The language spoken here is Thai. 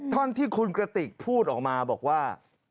ท่อนที่คุณกระติกพูดออกมาบอกว่า